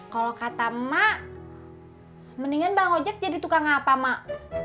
kalau kata mak mendingan bang ojek jadi tukang apa mak